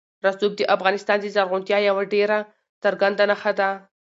رسوب د افغانستان د زرغونتیا یوه ډېره څرګنده نښه ده.